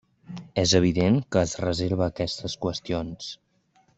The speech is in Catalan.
És evident que es reserva aquestes qüestions.